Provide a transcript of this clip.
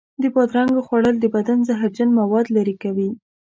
د بادرنګو خوړل د بدن زهرجن موادو لرې کوي.